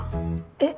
えっ？